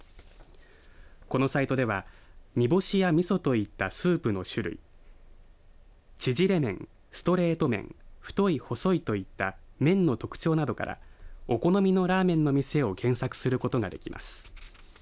このサイトでは煮干しやみそといったスープの種類ちぢれ麺、ストレート麺太い、細いといっためんの特徴などからお好みのラーメンの店を検索することができます。